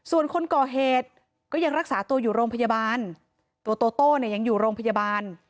ส่วนคนก่อเหตุก็ยังรักษาตัวอยู่โรงพยาบาลตัวโตโต้เนี่ยยังอยู่โรงพยาบาล